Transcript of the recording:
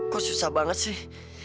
kok susah banget sih